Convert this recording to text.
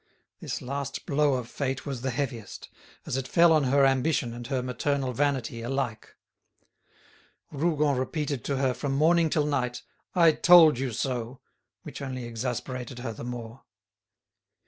This last blow of fate was the heaviest, as it fell on her ambition and her maternal vanity alike. Rougon repeated to her from morning till night, "I told you so!" which only exasperated her the more.